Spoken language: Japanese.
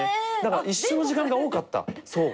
一緒の時間が多かった。